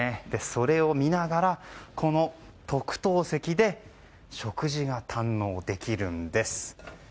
それを見ながら、この特等席で食事が堪能できるんです。